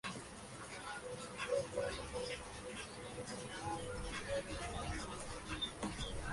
El nombre "Wayland" viene del pueblo de Wayland, Massachusetts.